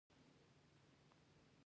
د زابل په میزانه کې د سمنټو مواد شته.